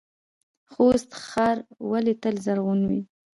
خوست ښار ولې تل زرغون وي؟